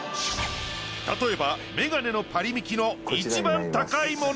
例えばメガネのパリミキの一番高いモノ。